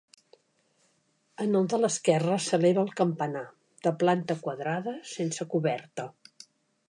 En el de l'esquerra s'eleva el campanar, de planta quadrada, sense coberta.